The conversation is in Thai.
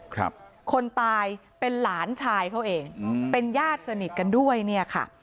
คนตายเป็นหลานชายเขาเองอืมเป็นญาติสนิทกันด้วยเนี่ยค่ะ